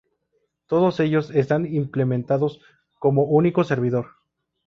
Todos ellos están implementados como un único "servidor".